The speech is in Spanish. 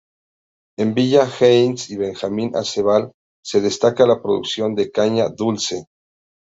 En Villa Hayes y Benjamín Aceval, se destaca la producción de caña dulce.